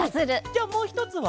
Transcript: じゃあもうひとつは？